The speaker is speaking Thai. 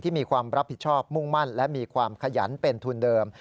มีความรับผิดชอบมุ่งมั่นและมีความขยันเป็นทุนเดิม